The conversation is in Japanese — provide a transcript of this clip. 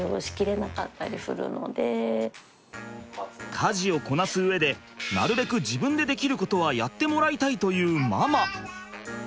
家事をこなす上でなるべく自分でできることはやってもらいたいというママ。